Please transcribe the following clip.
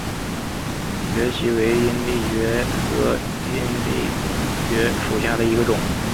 蕨萁为阴地蕨科阴地蕨属下的一个种。